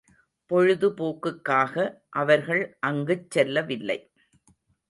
பொழுது போக்குக்காக அவர்கள் அங்குச் செல்லவில்லை.